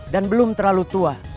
dan belum terlalu tua